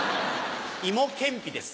芋けんぴです